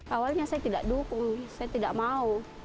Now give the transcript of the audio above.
awalnya saya tidak dukung saya tidak mau